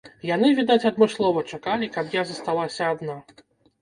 Яны, відаць, адмыслова чакалі, каб я засталася адна.